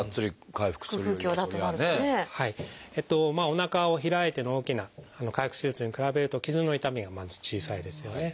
おなかを開いての大きな開腹手術に比べると傷の痛みがまず小さいですよね。